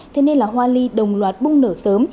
thế nên là hoa ly đồng loạt bung nở sớm